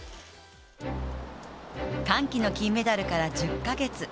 歓喜の銀メダルから１０ヶ月